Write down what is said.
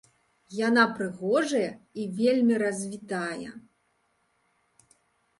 Яна прыгожая і вельмі развітая.